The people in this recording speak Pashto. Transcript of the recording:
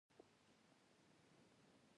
دا هر څه یې خاصې لوبې بلل.